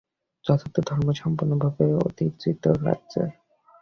যথার্থ ধর্ম সম্পূর্ণভাবে অতীন্দ্রিয় রাজ্যের।